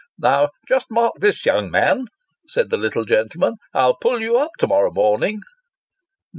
" Now, just mark this, young man," said the little gentleman, " I'll pull you up to morrow morning."